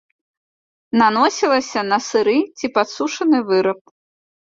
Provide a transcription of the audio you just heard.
Наносілася на сыры ці падсушаны выраб.